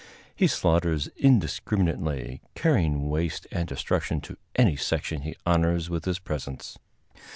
He slaughters indiscriminately, carrying waste and destruction to any section he honors with his presence.